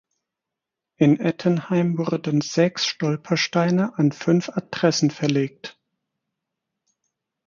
In Ettenheim wurden sechs Stolpersteine an fünf Adressen verlegt.